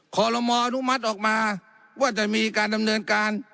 ขอรมออนุมัติออกมาว่าจะมีการดำเนินการ